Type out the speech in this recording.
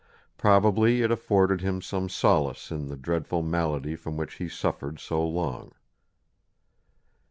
Probably it afforded him some solace in the dreadful malady from which he suffered so long."